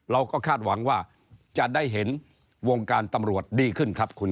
คาดหวังว่าจะได้เห็นวงการตำรวจดีขึ้นครับคุณ